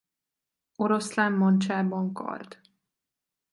Oroszlán mancsában kard.